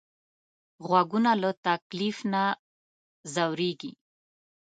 غوږونه له تکلیف نه ځورېږي